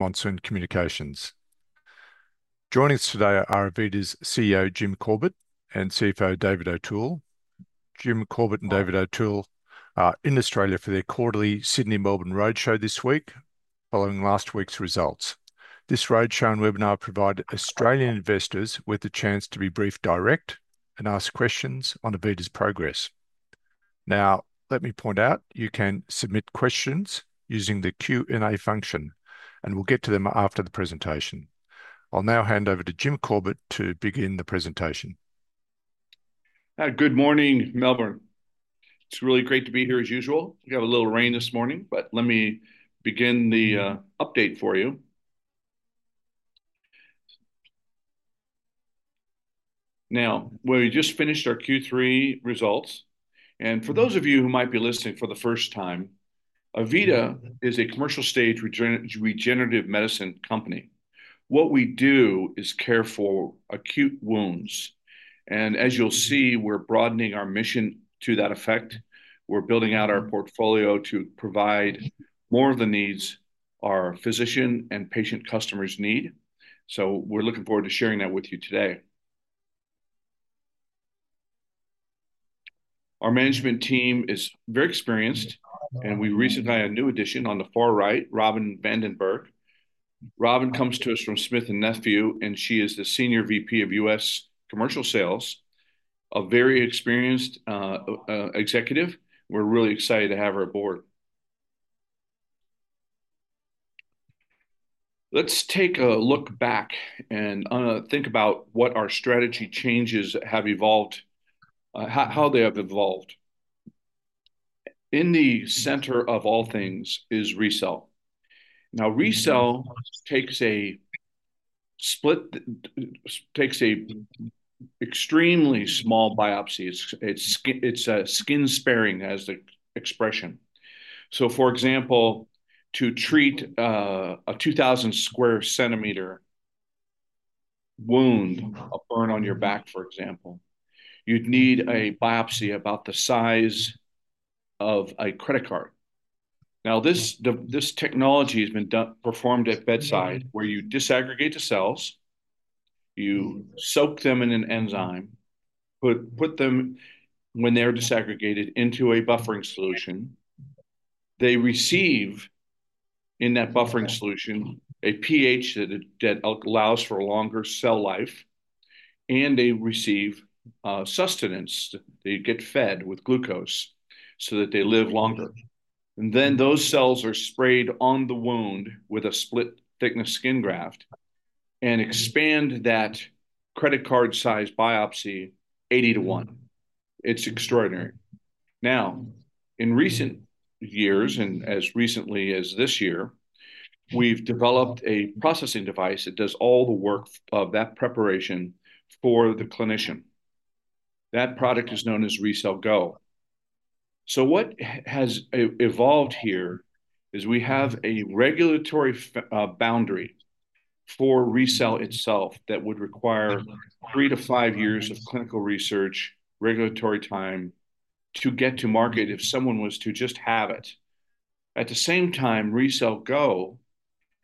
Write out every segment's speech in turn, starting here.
Monsoon Communications. Joining us today are AVITA's CEO, Jim Corbett, and CFO, David O'Toole. Jim Corbett and David O'Toole are in Australia for their quarterly Sydney-Melbourne Roadshow this week, following last week's results. This roadshow and webinar provide Australian investors with the chance to be briefed directly and ask questions on AVITA's progress. Now, let me point out, you can submit questions using the Q&A function, and we'll get to them after the presentation. I'll now hand over to Jim Corbett to begin the presentation. Good morning, Melbourne. It's really great to be here as usual. We have a little rain this morning, but let me begin the update for you. Now, we just finished our Q3 results, and for those of you who might be listening for the first time, AVITA is a commercial stage regenerative medicine company. What we do is care for acute wounds, and as you'll see, we're broadening our mission to that effect. We're building out our portfolio to provide more of the needs our physician and patient customers need, so we're looking forward to sharing that with you today. Our management team is very experienced, and we recently had a new addition on the far right, Robin Vandenberg. Robin comes to us from Smith & Nephew, and she is the Senior VP of U.S. Commercial Sales, a very experienced executive. We're really excited to have her aboard. Let's take a look back and think about what our strategy changes have evolved, how they have evolved. In the center of all things is RECELL. Now, RECELL takes a split, takes an extremely small biopsy. It's skin-sparing, as the expression. So, for example, to treat a 2,000 square centimeter wound, a burn on your back, for example, you'd need a biopsy about the size of a credit card. Now, this technology has been performed at bedside, where you disaggregate the cells, you soak them in an enzyme, put them, when they're disaggregated, into a buffering solution. They receive in that buffering solution a pH that allows for longer cell life, and they receive sustenance. They get fed with glucose so that they live longer. And then those cells are sprayed on the wound with a split-thickness skin graft and expand that credit card-sized biopsy 80 to 1. It's extraordinary. Now, in recent years, and as recently as this year, we've developed a processing device that does all the work of that preparation for the clinician. That product is known as RECELL GO. So what has evolved here is we have a regulatory boundary for RECELL itself that would require three to five years of clinical research, regulatory time to get to market if someone was to just have it. At the same time, RECELL GO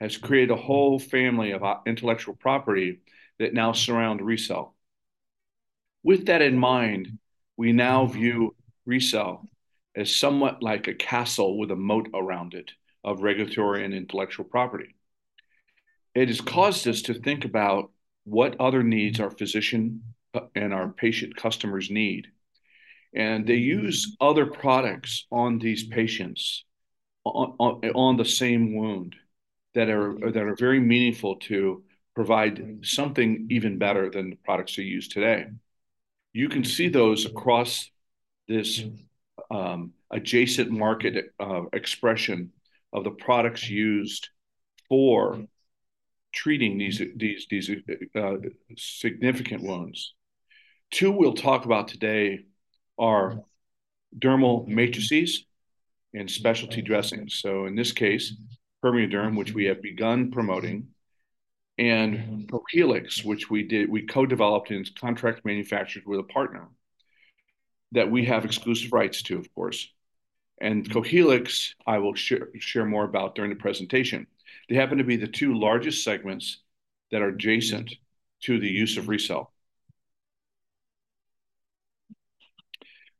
has created a whole family of intellectual property that now surrounds RECELL. With that in mind, we now view RECELL as somewhat like a castle with a moat around it of regulatory and intellectual property. It has caused us to think about what other needs our physician and our patient customers need. They use other products on these patients on the same wound that are very meaningful to provide something even better than the products they use today. You can see those across this adjacent market expression of the products used for treating these significant wounds. Two we'll talk about today are dermal matrices and specialty dressings. So in this case, PermeaDerm, which we have begun promoting, and CoHelix, which we co-developed and contract manufactured with a partner that we have exclusive rights to, of course. And CoHelix, I will share more about during the presentation. They happen to be the two largest segments that are adjacent to the use of RECELL.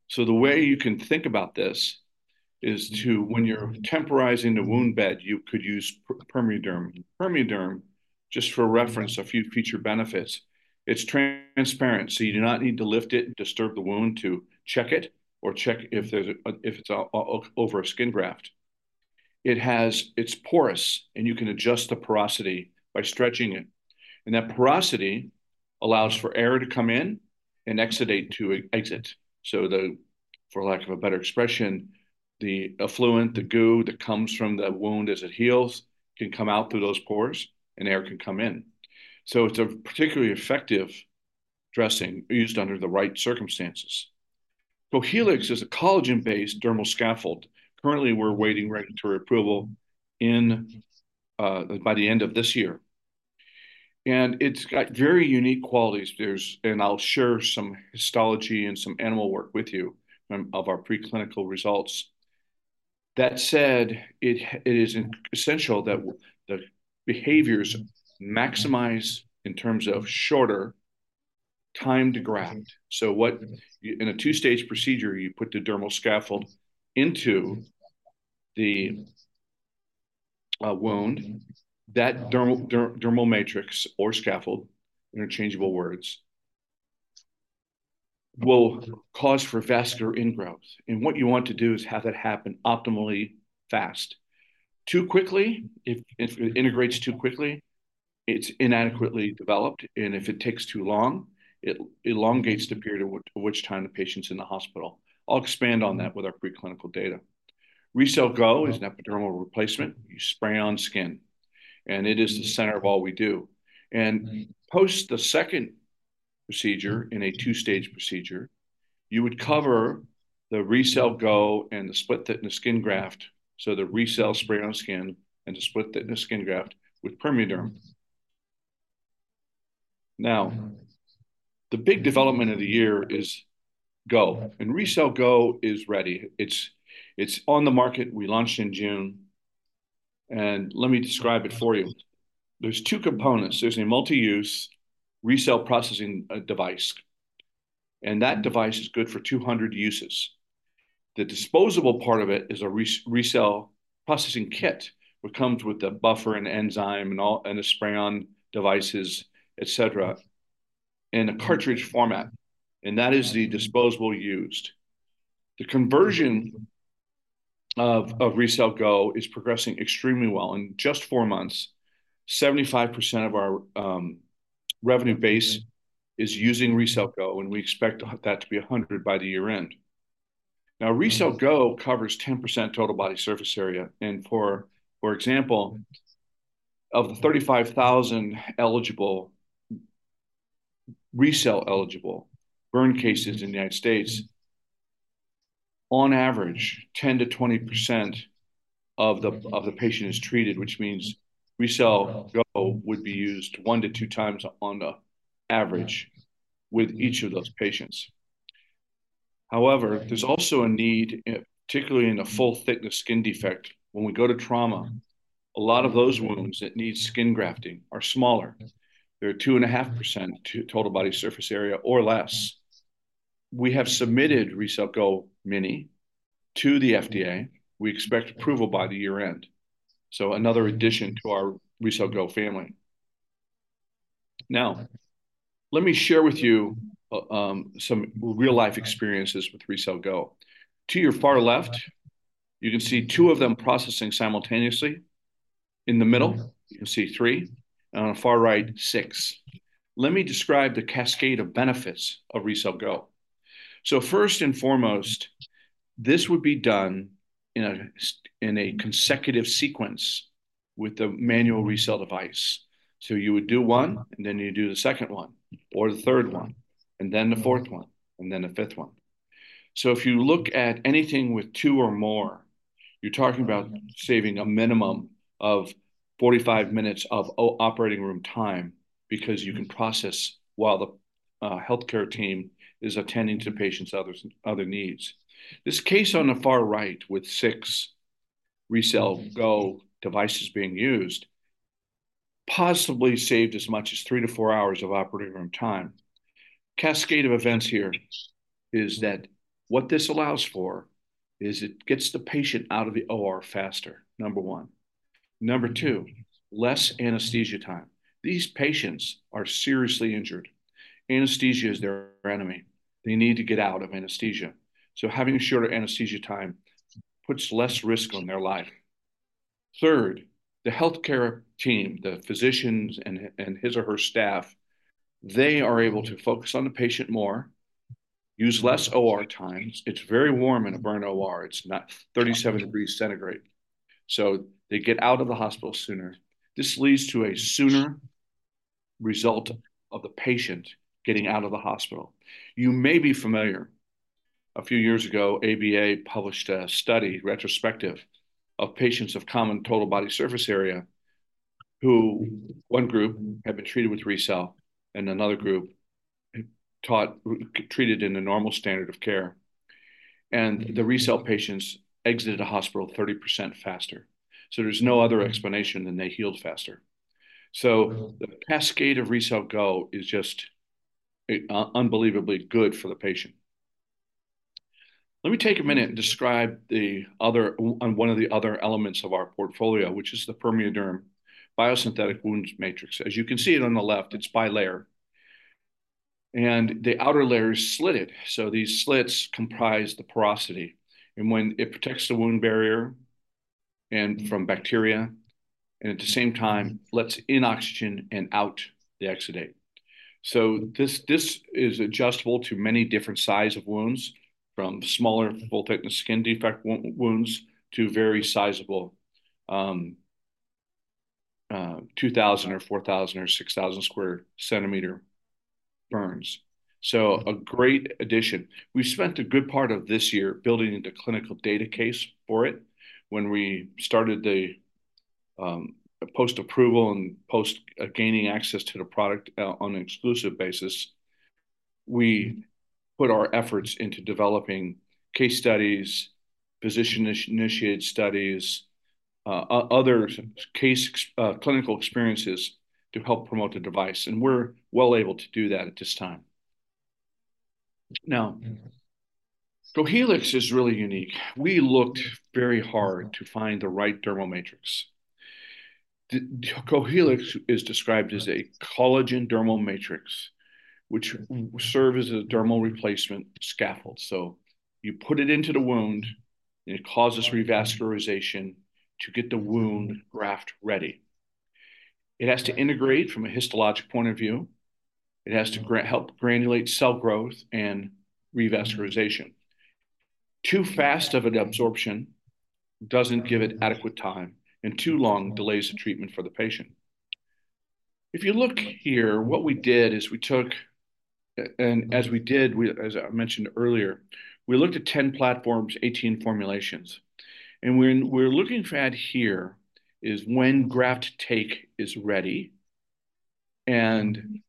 So the way you can think about this is when you're temporizing the wound bed, you could use PermeaDerm. PermeaDerm, just for reference, a few feature benefits. It's transparent, so you do not need to lift it and disturb the wound to check it or check if it's over a skin graft. It's porous, and you can adjust the porosity by stretching it, and that porosity allows for air to come in and exudate to exit. For lack of a better expression, the effluent, the goo that comes from the wound as it heals can come out through those pores, and air can come in. It's a particularly effective dressing used under the right circumstances. CoHelix is a collagen-based dermal scaffold. Currently, we're waiting regulatory approval by the end of this year, and it's got very unique qualities. I'll share some histology and some animal work with you of our preclinical results. That said, it is essential that the behaviors maximize in terms of shorter time to graft. In a two-stage procedure, you put the dermal scaffold into the wound. That dermal matrix or scaffold, interchangeable words, will cause for vascular ingrowth. And what you want to do is have that happen optimally fast. Too quickly, if it integrates too quickly, it's inadequately developed. And if it takes too long, it elongates the period at which time the patient's in the hospital. I'll expand on that with our preclinical data. RECELL GO is an epidermal replacement. You spray on skin. And it is the center of all we do. And post the second procedure, in a two-stage procedure, you would cover the RECELL GO and the split-thickness skin graft, so the RECELL spray on skin and the split-thickness skin graft with PermeaDerm. Now, the big development of the year is Go. And RECELL GO is ready. It's on the market. We launched in June. Let me describe it for you. There's two components. There's a multi-use RECELL Processing Device. That device is good for 200 uses. The disposable part of it is a RECELL Processing Kit, which comes with the buffer and enzyme and the spray-on devices, etc., in a cartridge format. That is the disposable used. The conversion of RECELL GO is progressing extremely well. In just four months, 75% of our revenue base is using RECELL GO, and we expect that to be 100% by the year end. Now, RECELL GO covers 10% total body surface area. For example, of the 35,000 RECELL-eligible burn cases in the United States, on average, 10%-20% of the patient is treated, which means RECELL GO would be used one to two times on average with each of those patients. However, there's also a need, particularly in a full-thickness skin defect. When we go to trauma, a lot of those wounds that need skin grafting are smaller. They're 2.5% total body surface area or less. We have submitted RECELL GO Mini to the FDA. We expect approval by the year end, so another addition to our RECELL GO family. Now, let me share with you some real-life experiences with RECELL GO. To your far left, you can see two of them processing simultaneously. In the middle, you can see three. And on the far right, six. Let me describe the cascade of benefits of RECELL GO, so first and foremost, this would be done in a consecutive sequence with the manual RECELL device. So you would do one, and then you do the second one or the third one, and then the fourth one, and then the fifth one. If you look at anything with two or more, you're talking about saving a minimum of 45 minutes of operating room time because you can process while the healthcare team is attending to patients' other needs. This case on the far right with six RECELL GO devices being used possibly saved as much as three to four hours of operating room time. Cascade of events here is that what this allows for is it gets the patient out of the OR faster, number one. Number two, less anesthesia time. These patients are seriously injured. Anesthesia is their enemy. They need to get out of anesthesia. So having shorter anesthesia time puts less risk on their life. Third, the healthcare team, the physicians and his or her staff, they are able to focus on the patient more, use less OR times. It's very warm in a burn OR. It's not 37 degrees Celsius, so they get out of the hospital sooner. This leads to a sooner result of the patient getting out of the hospital. You may be familiar. A few years ago, AVITA published a study, retrospective, of patients of common total body surface area who one group had been treated with RECELL and another group treated in a normal standard of care, and the RECELL patients exited the hospital 30% faster, so there's no other explanation than they healed faster, so the cascade of RECELL GO is just unbelievably good for the patient. Let me take a minute and describe one of the other elements of our portfolio, which is the PermeaDerm Biosynthetic Wound Matrix. As you can see it on the left, it's bilayer, and the outer layer is slitted, so these slits comprise the porosity. And when it protects the wound barrier from bacteria and at the same time lets in oxygen and out the exudate. This is adjustable to many different sizes of wounds, from smaller full-thickness skin defect wounds to very sizable 2,000 or 4,000 or 6,000 square centimeters burns. It is a great addition. We spent a good part of this year building the clinical data case for it. When we started the post-approval and post-gaining access to the product on an exclusive basis, we put our efforts into developing case studies, physician-initiated studies, other clinical experiences to help promote the device. And we're well able to do that at this time. Now, CoHelix is really unique. We looked very hard to find the right dermal matrix. CoHelix is described as a collagen dermal matrix, which serves as a dermal replacement scaffold. So you put it into the wound, and it causes revascularization to get the wound graft ready. It has to integrate from a histologic point of view. It has to help granulate cell growth and revascularization. Too fast of an absorption doesn't give it adequate time, and too long delays the treatment for the patient. If you look here, what we did is we took, and as we did, as I mentioned earlier, we looked at 10 platforms, 18 formulations. And what we're looking at here is when graft take is ready and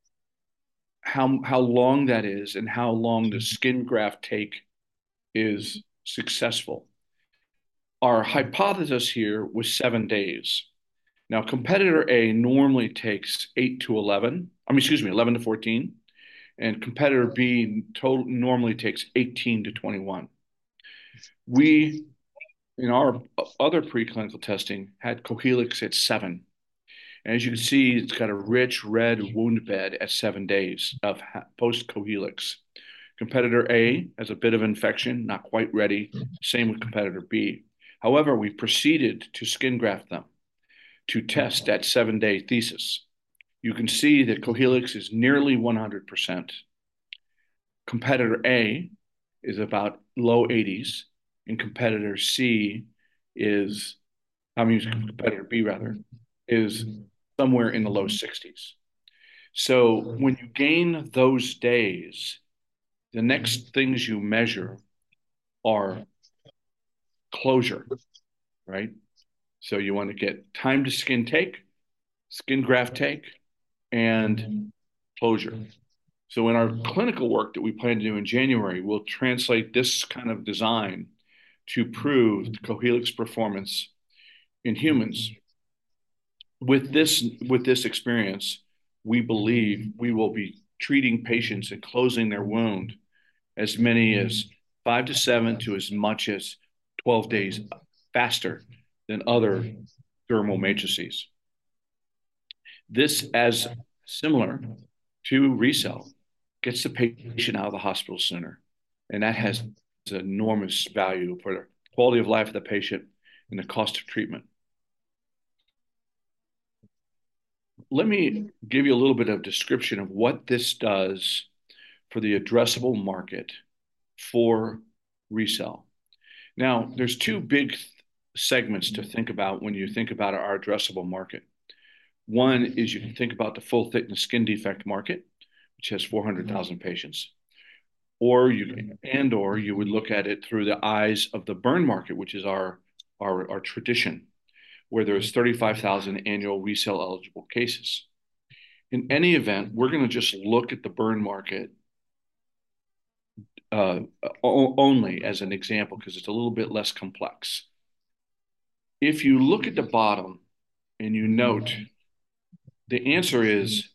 how long that is and how long the skin graft take is successful. Our hypothesis here was seven days. Now, competitor A normally takes 8 to 11, I mean, excuse me, 11 to 14. And competitor B normally takes 18 to 21. We, in our other preclinical testing, had CoHelix at seven. As you can see, it's got a rich red wound bed at seven days post-CoHelix. Competitor A has a bit of infection, not quite ready. Same with competitor B. However, we proceeded to skin graft them to test that seven-day thesis. You can see that CoHelix is nearly 100%. Competitor A is about low 80s, and competitor C is, I mean, competitor B, rather, is somewhere in the low 60s. So when you gain those days, the next things you measure are closure, right? So you want to get time to skin take, skin graft take, and closure. So in our clinical work that we plan to do in January, we'll translate this kind of design to prove CoHelix performance in humans. With this experience, we believe we will be treating patients and closing their wound as many as five to seven to as much as 12 days faster than other dermal matrices. This, as similar to RECELL, gets the patient out of the hospital sooner, and that has enormous value for the quality of life of the patient and the cost of treatment. Let me give you a little bit of description of what this does for the addressable market for RECELL. Now, there's two big segments to think about when you think about our addressable market. One is you can think about the full-thickness skin defect market, which has 400,000 patients. And/or you would look at it through the eyes of the burn market, which is our tradition, where there are 35,000 annual RECELL-eligible cases. In any event, we're going to just look at the burn market only as an example because it's a little bit less complex. If you look at the bottom and you note, the answer is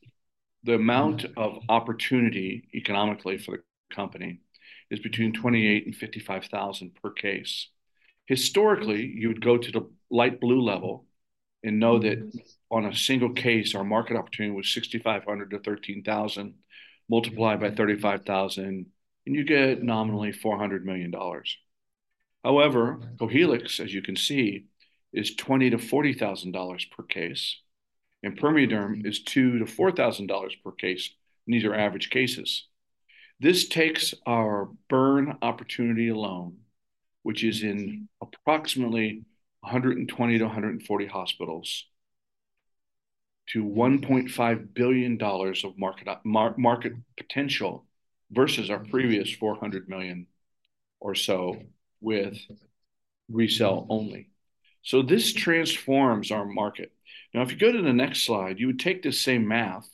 the amount of opportunity economically for the company is between $28,000 and $55,000 per case. Historically, you would go to the light blue level and know that on a single case, our market opportunity was $6,500-$13,000 multiplied by 35,000, and you get nominally $400 million. However, CoHelix, as you can see, is $20,000-$40,000 per case. And PermeaDerm is $2,000-$4,000 per case. And these are average cases. This takes our burn opportunity alone, which is in approximately 120-140 hospitals, to $1.5 billion of market potential versus our previous $400 million or so with RECELL only. So this transforms our market. Now, if you go to the next slide, you would take the same math,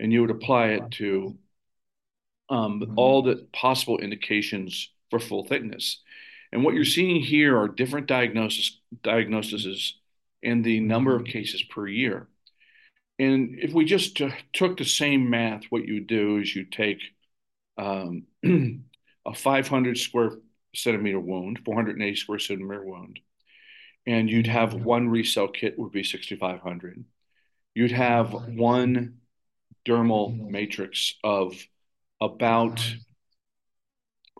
and you would apply it to all the possible indications for full-thickness. And what you're seeing here are different diagnoses and the number of cases per year. And if we just took the same math, what you do is you take a 500 sq cm wound, 480 sq cm wound, and you'd have one RECELL kit would be $6,500. You'd have one dermal matrix of about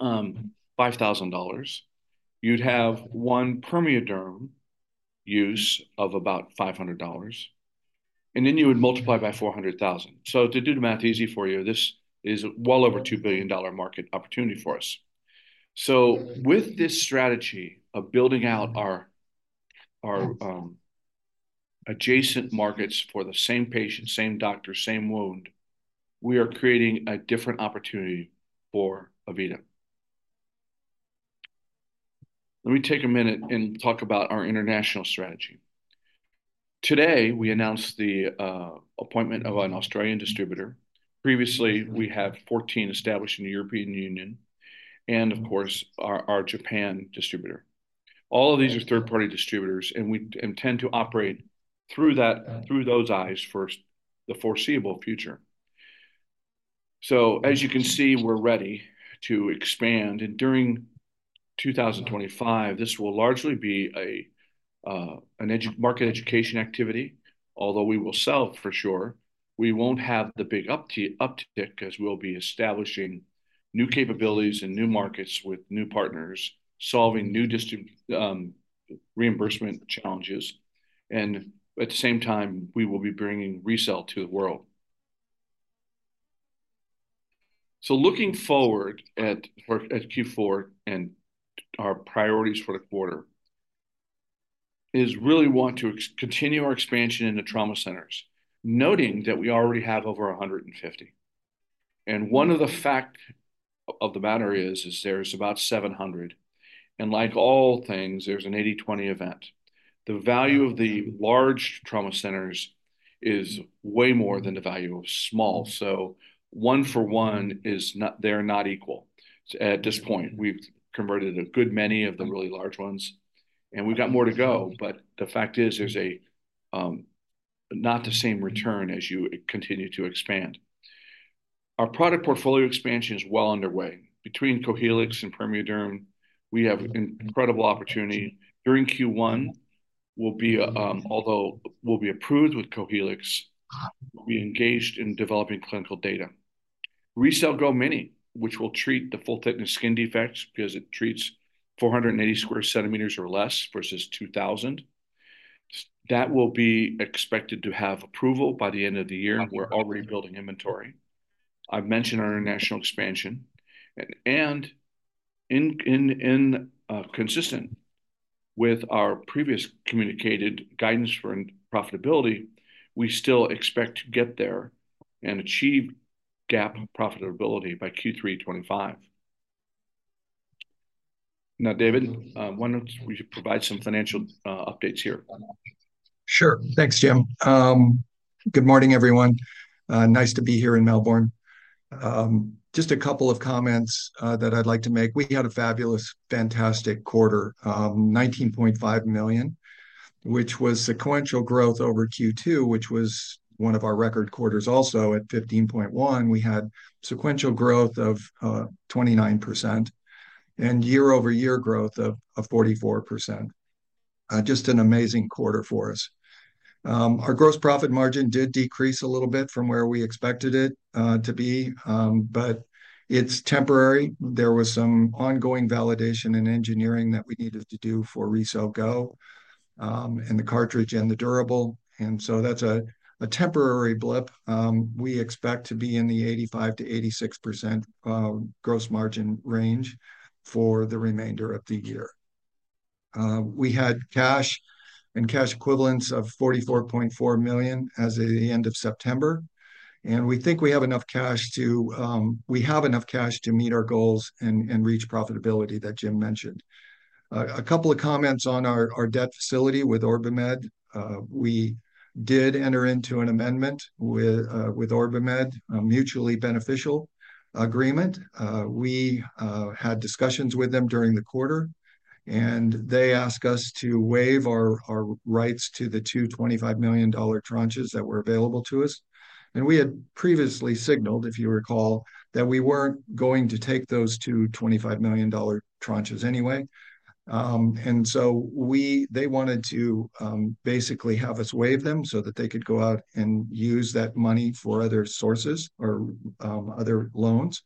$5,000. You'd have one PermeaDerm use of about $500. And then you would multiply by 400,000. So to do the math easy for you, this is a well over $2 billion market opportunity for us. So with this strategy of building out our adjacent markets for the same patient, same doctor, same wound, we are creating a different opportunity for AVITA. Let me take a minute and talk about our international strategy. Today, we announced the appointment of an Australian distributor. Previously, we had 14 established in the European Union and, of course, our Japan distributor. All of these are third-party distributors, and we intend to operate through those entities for the foreseeable future, so as you can see, we're ready to expand, and during 2025, this will largely be a market education activity. Although we will sell for sure, we won't have the big uptick as we'll be establishing new capabilities and new markets with new partners, solving new reimbursement challenges, and at the same time, we will be bringing RECELL to the world, so looking forward to Q4 and our priorities for the quarter, we really want to continue our expansion into trauma centers, noting that we already have over 150. One of the facts of the matter is there's about 700. Like all things, there's an 80/20 event. The value of the large trauma centers is way more than the value of small. One for one is not equal. At this point, we've converted a good many of the really large ones. We've got more to go. The fact is there's not the same return as you continue to expand. Our product portfolio expansion is well underway. Between CoHelix and PermeaDerm, we have incredible opportunity. During Q1, although we'll be approved with CoHelix, we'll be engaged in developing clinical data. RECELL GO Mini, which will treat the full-thickness skin defects because it treats 480 square centimeters or less versus 2,000, that will be expected to have approval by the end of the year. We're already building inventory. I've mentioned our international expansion. Consistent with our previous communicated guidance for profitability, we still expect to get there and achieve GAAP profitability by Q3/25. Now, David, why don't we provide some financial updates here? Sure. Thanks, Jim. Good morning, everyone. Nice to be here in Melbourne. Just a couple of comments that I'd like to make. We had a fabulous, fantastic quarter, $19.5 million, which was sequential growth over Q2, which was one of our record quarters also at $15.1 million. We had sequential growth of 29% and year-over-year growth of 44%. Just an amazing quarter for us. Our gross profit margin did decrease a little bit from where we expected it to be, but it's temporary. There was some ongoing validation and engineering that we needed to do for RECELL GO and the cartridge and the durable. And so that's a temporary blip. We expect to be in the 85%-86% gross margin range for the remainder of the year. We had cash and cash equivalents of $44.4 million as of the end of September, and we think we have enough cash to meet our goals and reach profitability that Jim mentioned. A couple of comments on our debt facility with OrbiMed. We did enter into an amendment with OrbiMed, a mutually beneficial agreement. We had discussions with them during the quarter, and they asked us to waive our rights to the two $25 million tranches that were available to us. We had previously signaled, if you recall, that we weren't going to take those two $25 million tranches anyway, so they wanted to basically have us waive them so that they could go out and use that money for other sources or other loans.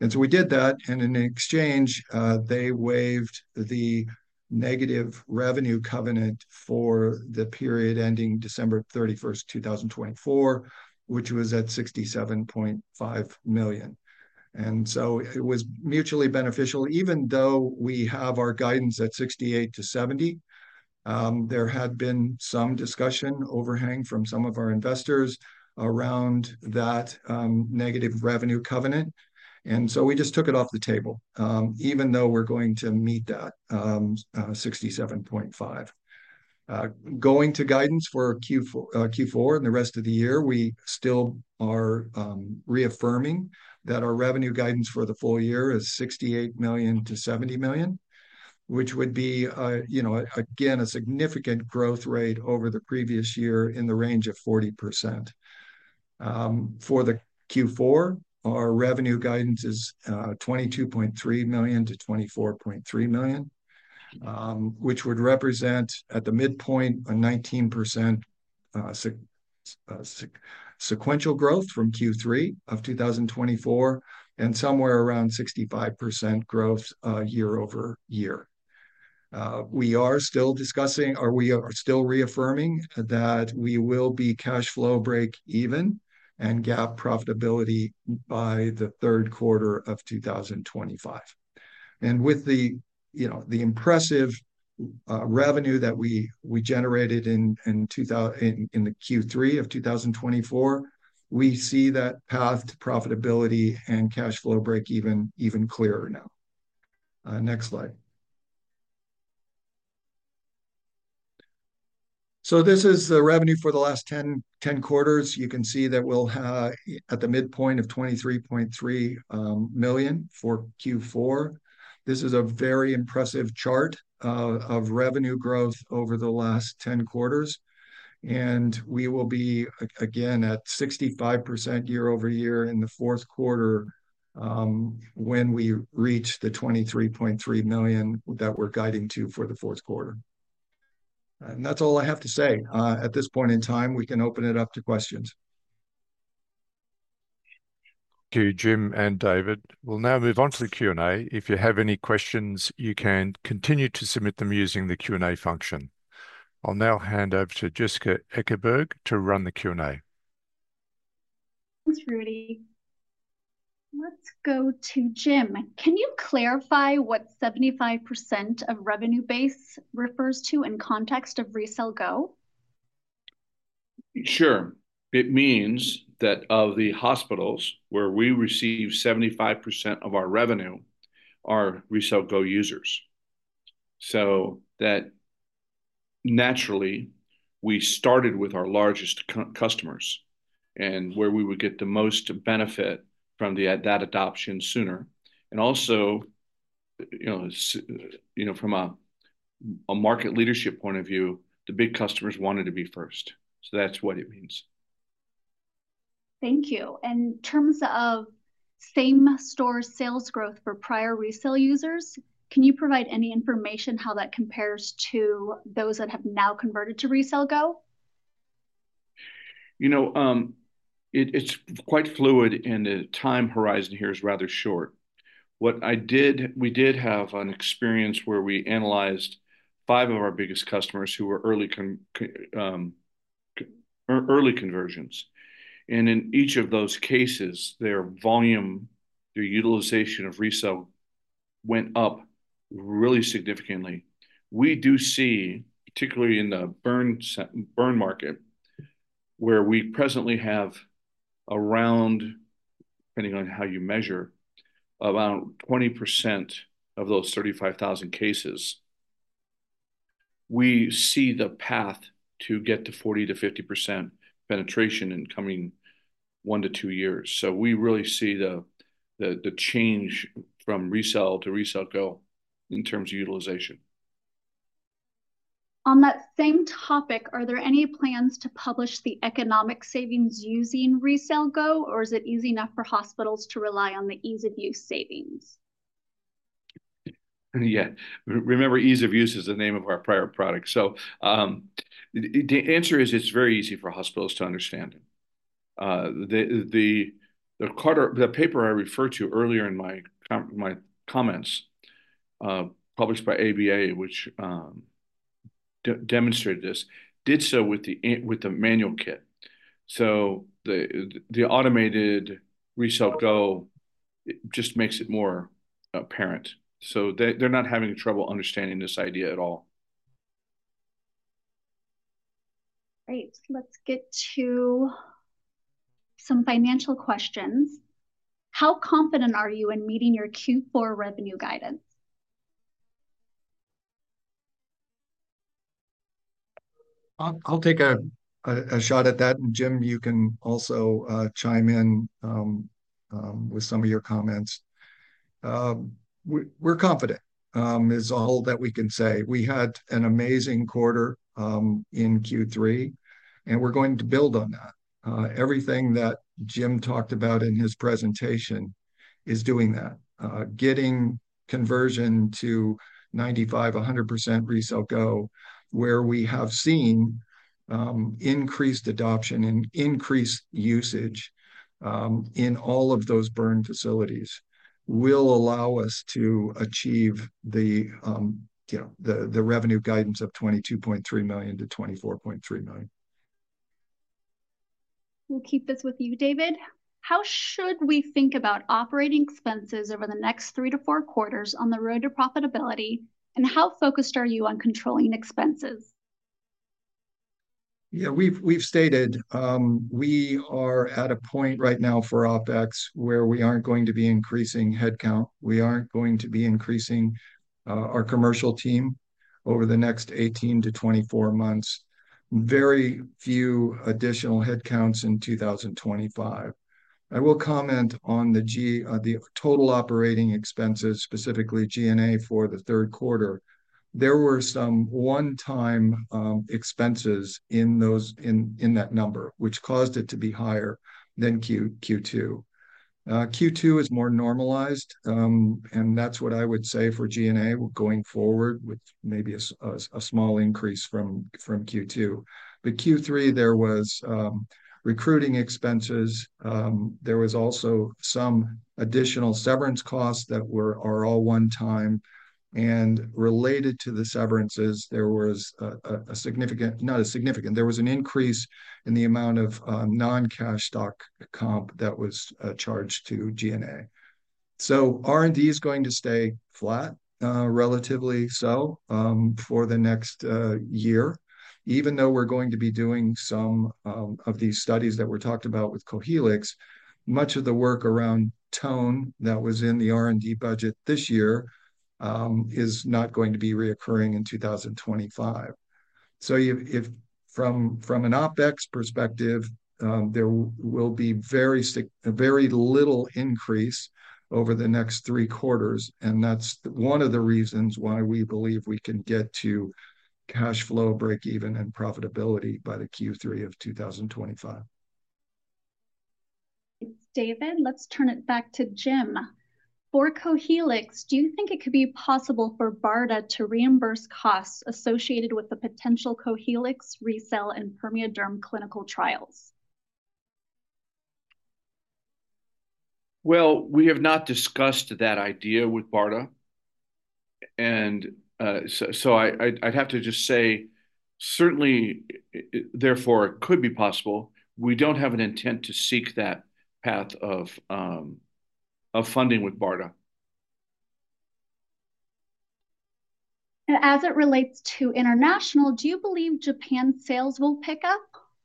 And so we did that. And in exchange, they waived the negative revenue covenant for the period ending December 31st, 2024, which was at $67.5 million. And so it was mutually beneficial. Even though we have our guidance at $68 million-$70 million, there had been some discussion overhang from some of our investors around that negative revenue covenant. And so we just took it off the table, even though we're going to meet that $67.5 million. Going to guidance for Q4 and the rest of the year, we still are reaffirming that our revenue guidance for the full year is $68 million-$70 million, which would be, again, a significant growth rate over the previous year in the range of 40%. For the Q4, our revenue guidance is $22.3 million-$24.3 million, which would represent at the midpoint a 19% sequential growth from Q3 of 2024 and somewhere around 65% growth year over year. We are still discussing, or we are still reaffirming that we will be cash flow break-even and GAAP profitability by the Q3 of 2025. And with the impressive revenue that we generated in the Q3 of 2024, we see that path to profitability and cash flow break-even even clearer now. Next slide. So this is the revenue for the last 10 quarters. You can see that we'll have at the midpoint of $23.3 million for Q4. This is a very impressive chart of revenue growth over the last 10 quarters. And we will be, again, at 65% year over year in the Q4 when we reach the $23.3 million that we're guiding to for the Q4. And that's all I have to say. At this point in time, we can open it up to questions. To Jim and David, we'll now move on to the Q&A. If you have any questions, you can continue to submit them using the Q&A function. I'll now hand over to Jessica Ekeberg to run the Q&A. Thanks, Rudy. Let's go to Jim. Can you clarify what 7`5% of revenue base refers to in context of RECELL GO? Sure. It mean`s that of the hospitals where we receive 75% of our revenue, are RECELL GO users. So that naturally, we started with our largest customers and where we would get the most benefit from that adoption sooner. And also, from a market leadership point of view, the big customers wanted to be first. So that's what it means. Thank you. And in terms of same-store sales growth for prior RECELL users, can you provide any information how that compares to those that have now converted to RECELL GO? It's quite fluid, and the time horizon here is rather short. We did have an experience where we analyzed five of our biggest customers who were early conversions. And in each of those cases, their volume, their utilization of RECELL went up really significantly. We do see, particularly in the burn market, where we presently have around, depending on how you measure, about 20% of those 35,000 cases, we see the path to get to 40%-50% penetration in coming one to two years. So we really see the change from RECELL to RECELL GO in terms of utilization. On that same topic, are there any plans to publish the economic savings using RECELL GO, or is it easy enough for hospitals to rely on the ease-of-use savings? Yeah. Remember, ease-of-use is the name of our prior product. So the answer is it's very easy for hospitals to understand it. The paper I referred to earlier in my comments, published by AVITA, which demonstrated this, did so with the manual kit. So the automated RECELL GO just makes it more apparent. So they're not having trouble understanding this idea at all. Great. Let's get to some financial questions. How confident are you in meeting your Q4 revenue guidance? I'll take a shot at that. And Jim, you can also chime in with some of your comments. We're confident is all that we can say. We had an amazing quarter in Q3, and we're going to build on that. Everything that Jim talked about in his presentation is doing that, getting conversion to 95%-100% RECELL GO, where we have seen increased adoption and increased usage in all of those burn facilities will allow us to achieve the revenue guidance of $22.3 million-$24.3 million. We'll keep this with you, David. How should we think about operating expenses over the next three to four quarters on the road to profitability, and how focused are you on controlling expenses? Yeah, we've stated we are at a point right now for OpEx where we aren't going to be increasing headcount. We aren't going to be increasing our commercial team over the next 18 to 24 months. Very few additional headcounts in 2025. I will comment on the total operating expenses, specifically G&A for the Q3. There were some one-time expenses in that number, which caused it to be higher than Q2. Q2 is more normalized, and that's what I would say for G&A going forward, with maybe a small increase from Q2, but Q3, there was recruiting expenses. There was also some additional severance costs that are all one time, and related to the severances, there was a significant, not a significant, there was an increase in the amount of non-cash stock comp that was charged to G&A, so R&D is going to stay flat, relatively so, for the next year. Even though we're going to be doing some of these studies that were talked about with CoHelix, much of the work around tone that was in the R&D budget this year is not going to be recurring in 2025. From an OpEx perspective, there will be very little increase over the next three quarters. And that's one of the reasons why we believe we can get to cash flow break-even and profitability by the Q3 of 2025. Thanks, David. Let's turn it back to Jim. For CoHelix, do you think it could be possible for BARDA to reimburse costs associated with the potential CoHelix, RECELL, and PermeaDerm clinical trials? Well, we have not discussed that idea with BARDA. And so I'd have to just say, certainly, therefore, it could be possible. We don't have an intent to seek that path of funding with BARDA. And as it relates to international, do you believe Japan sales will pick up?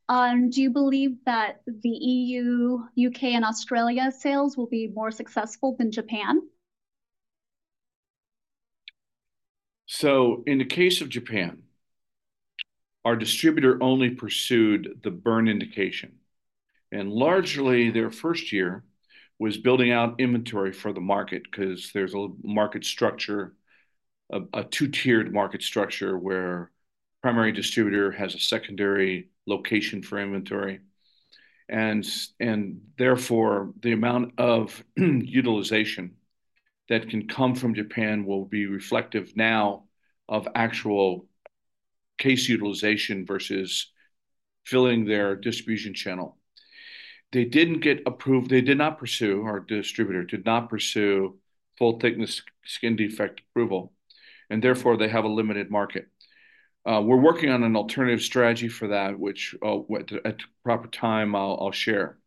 Do you believe that the EU, UK, and Australia sales will be more successful than Japan? So in the case of Japan, our distributor only pursued the burn indication. And largely, their first year was building out inventory for the market because there's a market structure, a two-tiered market structure where the primary distributor has a secondary location for inventory. And therefore, the amount of utilization that can come from Japan will be reflective now of actual case utilization versus filling their distribution channel. They didn't get approved. They did not pursue. Our distributor did not pursue full-thickness skin defect approval. And therefore, they have a limited market. We're working on an alternative strategy for that, which at the proper time, I'll share.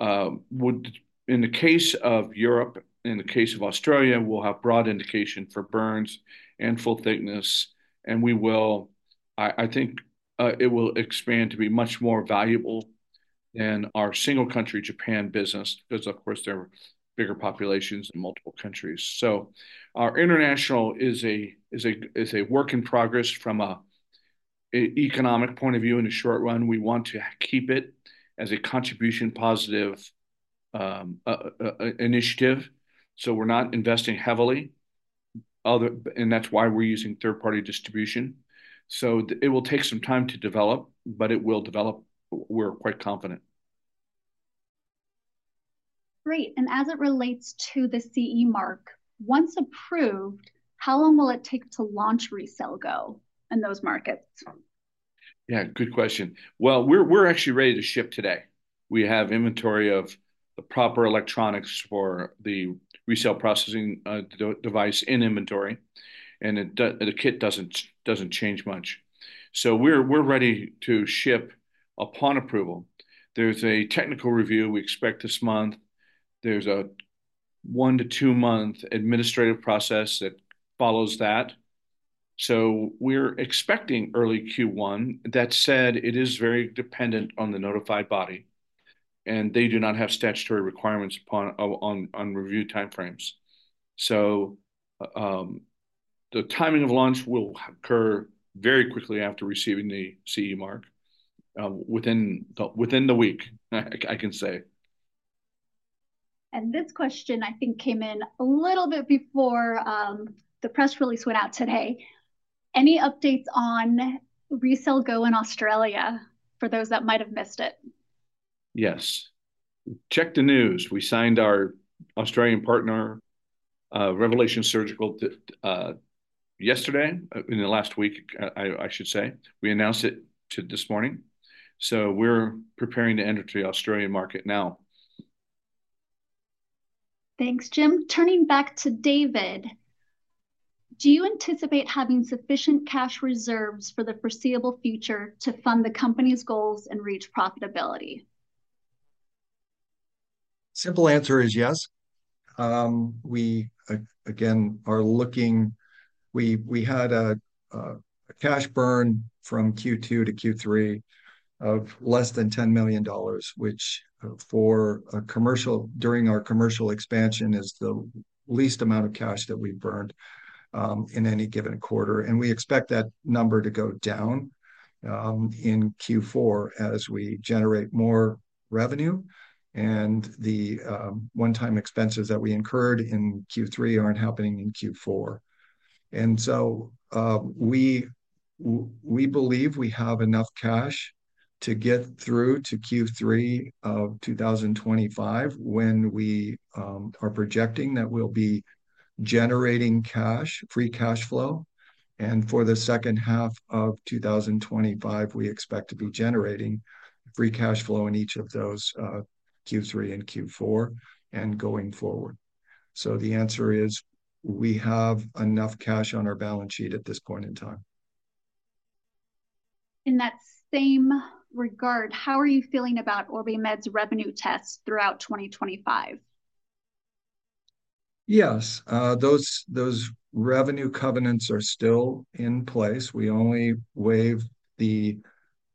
In the case of Europe, in the case of Australia, we'll have broad indication for burns and full-thickness. And I think it will expand to be much more valuable than our single-country Japan business because, of course, there are bigger populations in multiple countries. So our international is a work in progress from an economic point of view in the short run. We want to keep it as a contribution-positive initiative. So we're not investing heavily. And that's why we're using third-party distribution. So it will take some time to develop, but it will develop. We're quite confident. Great. And as it relates to the CE mark, once approved, how long will it take to launch RECELL GO in those markets? Yeah, good question. Well, we're actually ready to ship today. We have inventory of the proper electronics for the RECELL Processing Device in inventory. And the kit doesn't change much. So we're ready to ship upon approval. There's a technical review we expect this month. There's a one- to two-month administrative process that follows that. So we're expecting early Q1. That said, it is very dependent on the notified body. They do not have statutory requirements on review timeframes. The timing of launch will occur very quickly after receiving the CE mark within the week, I can say. This question, I think, came in a little bit before the press release went out today. Any updates on RECELL GO in Australia for those that might have missed it? Yes. Check the news. We signed our Australian partner, Revelation Surgical, yesterday, in the last week, I should say. We announced it this morning. We're preparing to enter the Australian market now. Thanks, Jim. Turning back to David, do you anticipate having sufficient cash reserves for the foreseeable future to fund the company's goals and reach profitability? Simple answer is yes. We, again, are looking. We had a cash burn from Q2 to Q3 of less than $10 million, which, during our commercial expansion, is the least amount of cash that we've burned in any given quarter. And we expect that number to go down in Q4 as we generate more revenue. And the one-time expenses that we incurred in Q3 aren't happening in Q4. And so we believe we have enough cash to get through to Q3 of 2025 when we are projecting that we'll be generating cash, free cash flow. And for the H1 of 2025, we expect to be generating free cash flow in each of those Q3 and Q4 and going forward. So the answer is we have enough cash on our balance sheet at this point in time. In that same regard, how are you feeling about OrbiMed's revenue tests throughout 2025? Yes. Those revenue covenants are still in place. We only waived the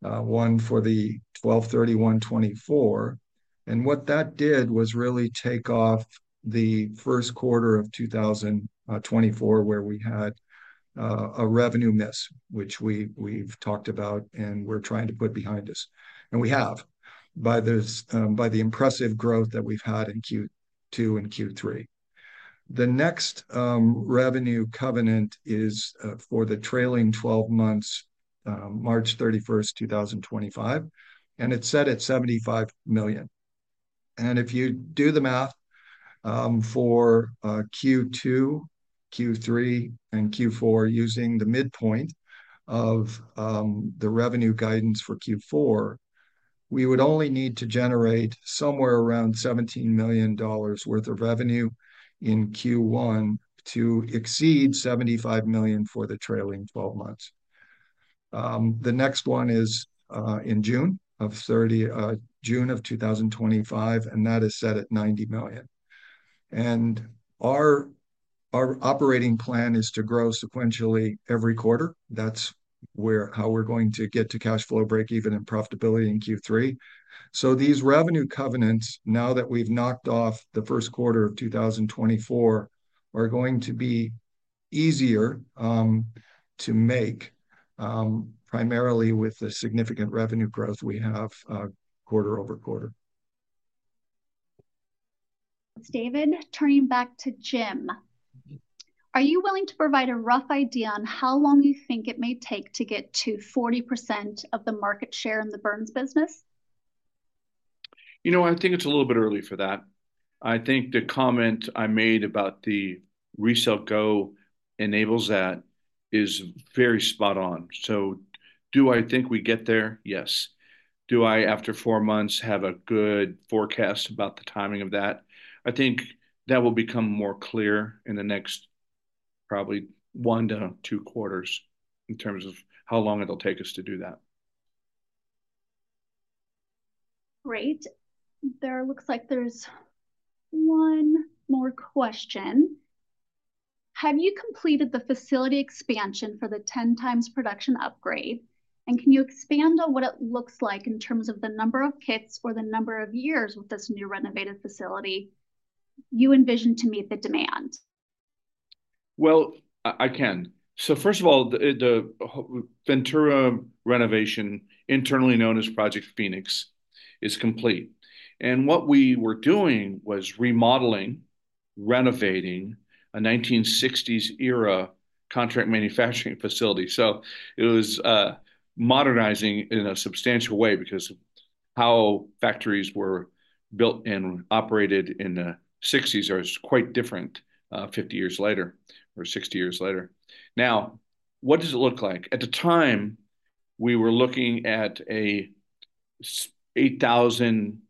one for the 12/31/2024. And what that did was really take off the Q1 of 2024 where we had a revenue miss, which we've talked about and we're trying to put behind us. And we have by the impressive growth that we've had in Q2 and Q3. The next revenue covenant is for the trailing 12 months, March 31st, 2025. And it's set at $75 million. And if you do the math for Q2, Q3, and Q4 using the midpoint of the revenue guidance for Q4, we would only need to generate somewhere around $17 million worth of revenue in Q1 to exceed $75 million for the trailing 12 months. The next one is in June of 2025, and that is set at $90 million. And our operating plan is to grow sequentially every quarter. That's how we're going to get to cash flow break-even and profitability in Q3. So these revenue covenants, now that we've knocked off the Q1 of 2024, are going to be easier to make, primarily with the significant revenue growth we have quarter over quarter. Thanks, David. Turning back to Jim. Are you willing to provide a rough idea on how long you think it may take to get to 40% of the market share in the burns business? You know, I think it's a little bit early for that. I think the comment I made about the RECELL GO enables that is very spot on. So do I think we get there? Yes. Do I, after four months, have a good forecast about the timing of that? I think that will become more clear in the next probably one to two quarters in terms of how long it'll take us to do that. Great. There looks like there's one more question. Have you completed the facility expansion for the 10 times production upgrade? And can you expand on what it looks like in terms of the number of kits or the number of years with this new renovated facility you envision to meet the demand? Well, I can. So first of all, the Ventura renovation, internally known as Project Phoenix, is complete. And what we were doing was remodeling, renovating a 1960s-era contract manufacturing facility. So it was modernizing in a substantial way because how factories were built and operated in the '60s is quite different 50 years later or 60 years later. Now, what does it look like? At the time, we were looking at an 8,000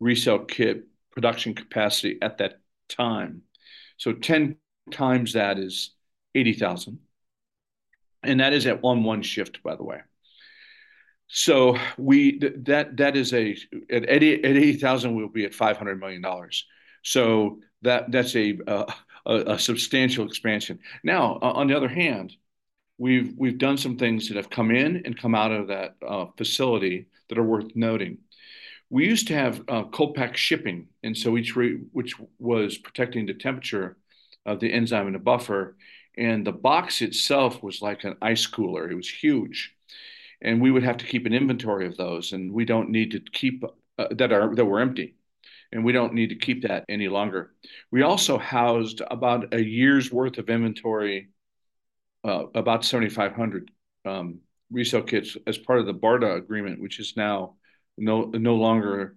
RECELL kit production capacity at that time. So 10 times that is 80,000. And that is at one shift, by the way. So at 80,000, we'll be at $500 million. So that's a substantial expansion. Now, on the other hand, we've done some things that have come in and come out of that facility that are worth noting. We used to have cold pack shipping, which was protecting the temperature of the enzyme in a buffer. And the box itself was like an ice cooler. It was huge. And we would have to keep an inventory of those. And we don't need to keep that were empty. And we don't need to keep that any longer. We also housed about a year's worth of inventory, about 7,500 RECELL kits, as part of the BARDA agreement, which is now no longer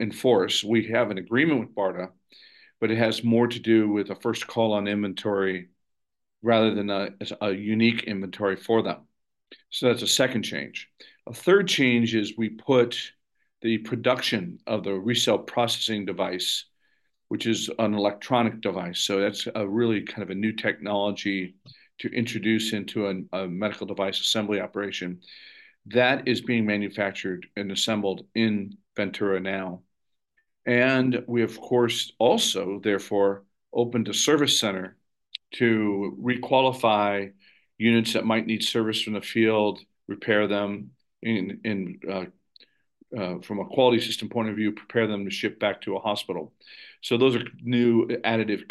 in force. We have an agreement with BARDA, but it has more to do with a first call on inventory rather than a unique inventory for them. So that's a second change. A third change is we put the production of the RECELL processing device, which is an electronic device. So that's really kind of a new technology to introduce into a medical device assembly operation. That is being manufactured and assembled in Ventura now. And we, of course, also, therefore, opened a service center to requalify units that might need service from the field, repair them from a quality system point of view, prepare them to ship back to a hospital. So those are new additive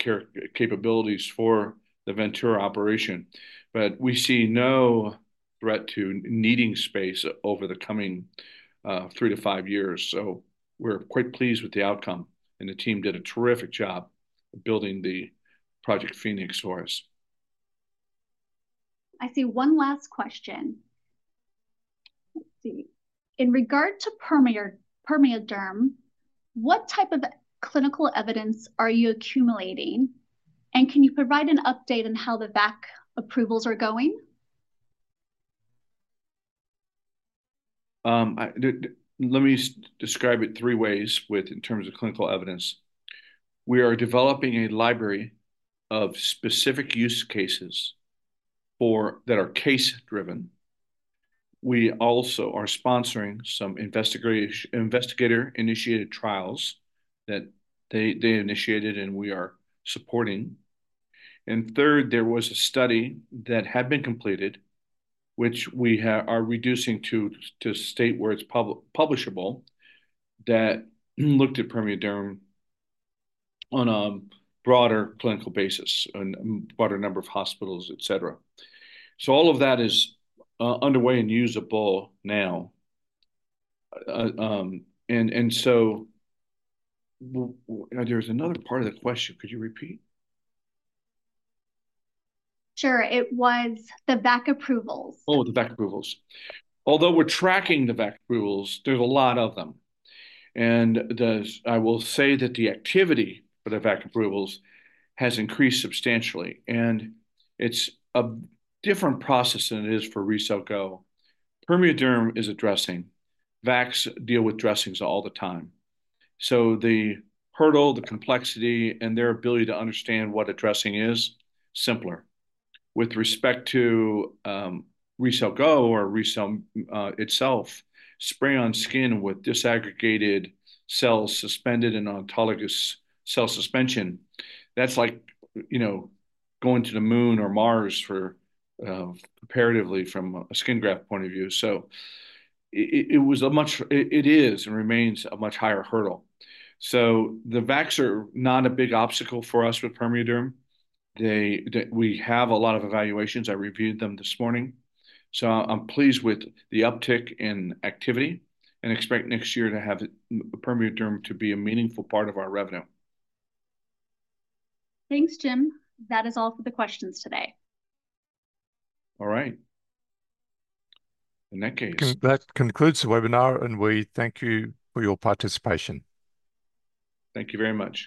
capabilities for the Ventura operation. But we see no threat to needing space over the coming three to five years. So we're quite pleased with the outcome. And the team did a terrific job building the Project Phoenix for us. I see one last question. Let's see. In regard to PermeaDerm, what type of clinical evidence are you accumulating? And can you provide an update on how the VAC approvals are going? Let me describe it three ways in terms of clinical evidence. We are developing a library of specific use cases that are case-driven. We also are sponsoring some investigator-initiated trials that they initiated, and we are supporting. And third, there was a study that had been completed, which we are reducing to state where it's publishable, that looked at PermeaDerm on a broader clinical basis, a broader number of hospitals, etc. So all of that is underway and usable now. And so there's another part of the question. Could you repeat? Sure. It was the VAC approvals. Oh, the VAC approvals. Although we're tracking the VAC approvals, there's a lot of them. And I will say that the activity for the VAC approvals has increased substantially. And it's a different process than it is for RECELL GO. PermeaDerm is a dressing. VACs deal with dressings all the time. So the hurdle, the complexity, and their ability to understand what a dressing is, simpler. With respect to RECELL GO or RECELL itself, spray-on skin with disaggregated cells suspended in autologous cell suspension, that's like going to the moon or Mars preparatively from a skin graft point of view. So it was a much, it is and remains a much higher hurdle. So the VACs are not a big obstacle for us with PermeaDerm. We have a lot of evaluations. I reviewed them this morning. So I'm pleased with the uptick in activity and expect next year to have PermeaDerm to be a meaningful part of our revenue. Thanks, Jim. That is all for the questions today. All right. In that case. That concludes the webinar, and we thank you for your participation. Thank you very much.